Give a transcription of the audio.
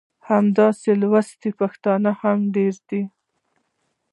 همداسې لوستي پښتانه هم ډېر دي.